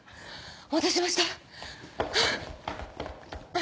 お待たせしましたハァ。